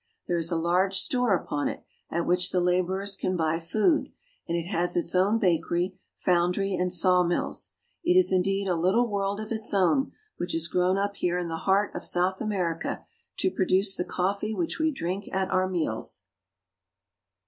There is a large store upon it, at which the laborers can buy food, and it has its own bakery, foundry, and sawmills. It is indeed a little world of its own, which has grown up here in the heart of South America to produce the coffee which we drink at our meals.